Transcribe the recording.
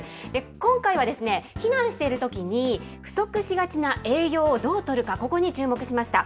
今回はですね、避難しているときに不足しがちな栄養をどうとるか、ここに注目しました。